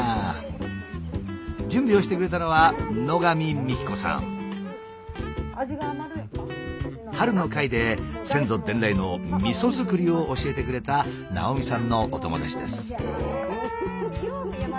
準備をしてくれたのは春の回で先祖伝来のみそづくりを教えてくれた直見さんのお友達です。